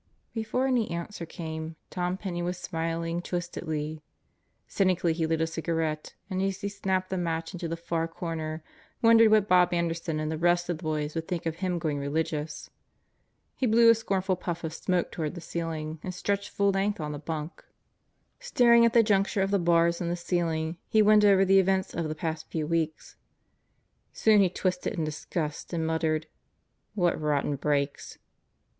Before any answer came, Tom Penney was smiling twistedly. Cynically he lit a cigarette and as he snapped the match into the far corner wondered what Bob Anderson and the rest of the boys would think of him going religious. He blew a scornful puff of smoke toward the ceiling and stretched full length on the bunk. Staring at the juncture of the bars and the ceiling, he went over the events of the past few weeks. Soon he twisted in disgust and muttered: "What rotten breaks!"